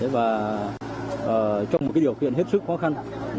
và trong một điều kiện hết sức khó khăn